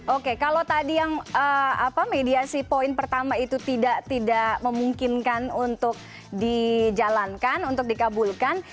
oke kalau tadi yang mediasi poin pertama itu tidak memungkinkan untuk dijalankan untuk dikabulkan